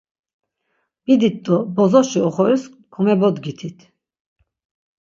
Bidit do bozoşi oxoris komebodgitit.